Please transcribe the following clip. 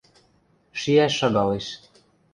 Шиӓш шагалеш.